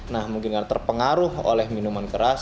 nah mungkin karena terpengaruh oleh minuman keras